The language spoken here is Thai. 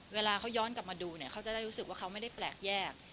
เวลาเขาย้อนกลับมาดูเนี่ยเขาจะได้รู้สึกว่าเขาไม่ได้แปลกแยก